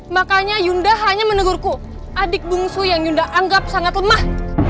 makanya yunda hanya menegurku adik bungsu yang yunda anggap sangat lemah